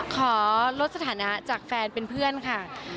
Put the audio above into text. ขอลดสถานะจากแฟนเป็นเพื่อนค่ะ